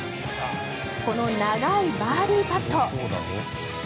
この長いバーディーパット。